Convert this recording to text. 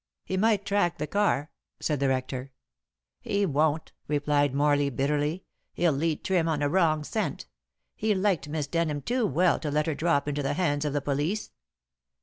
"He might track the car," said the rector. "He won't," replied Morley bitterly; "he'll lead Trim on a wrong scent. He liked Miss Denham too well to let her drop into the hands of the police."